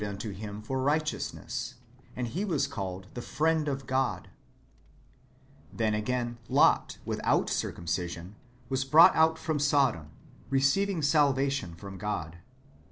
] IRENJSUS AGAINST HERESIES. 423 unto him for righteousness ; and ho was called the friend of God." ^ Then, again, Lot, without circumcision, was brought out from Sodom, receiving salvation from God.